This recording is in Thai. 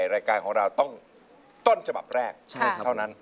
รายการของเราต้องต้นฉบับแรกเท่านั้น